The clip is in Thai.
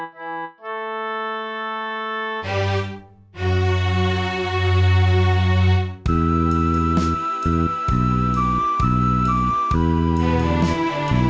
สวัสดีครับ